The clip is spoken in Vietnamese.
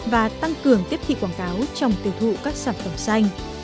và tăng cường tiếp thị quảng cáo trong tiêu thụ các sản phẩm xanh